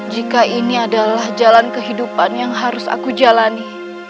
jika ini adalah jalan kehidupan yang harus aku jalani